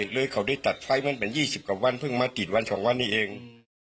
เลยเขาได้ตัดไฟมันเป็น๒๐กว่าวันเพิ่งมาติดวัน๒วันนี้เอง